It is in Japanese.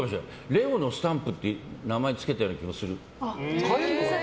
レオのスタンプって名前つけたような気もする。